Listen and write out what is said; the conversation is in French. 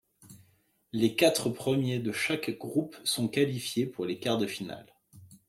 Les quatre premiers de chaque groupe sont qualifiés pour les quarts de finale.